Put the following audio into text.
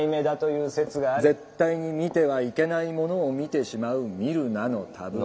絶対に見てはいけないものを見てしまう「見るなのタブー」。